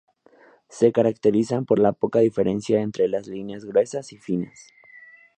Se caracterizan por la poca diferencia entre las líneas gruesas y finas.